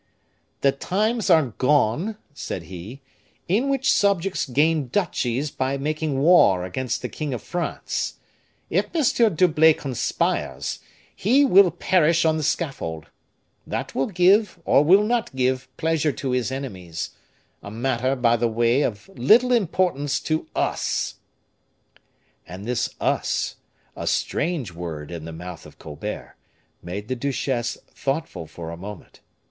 "The times are gone," said he, "in which subjects gained duchies by making war against the king of France. If M. d'Herblay conspires, he will perish on the scaffold. That will give, or will not give, pleasure to his enemies, a matter, by the way, of little importance to us." And this us, a strange word in the mouth of Colbert, made the duchesse thoughtful for a moment.